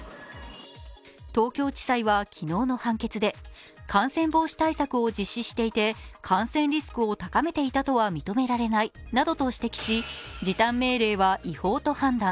東京地裁は昨日の判決で感染防止対策を実施していて感染リスクを高めていたとは認められないなどと指摘し時短命令は違法と判断。